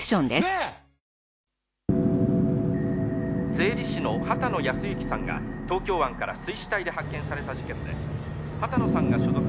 「税理士の秦野靖之さんが東京湾から水死体で発見された事件で秦野さんが所属する」